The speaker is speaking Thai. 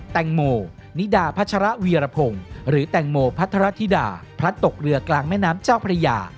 แตงโมนิดาพัชระวีรพงศ์หรือแตงโมพัทรธิดาพลัดตกเรือกลางแม่น้ำเจ้าพระยา